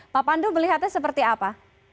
pak pandu melihatnya seperti apa